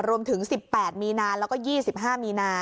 รวมถึง๑๘มีนาแล้วก็๒๕มีนา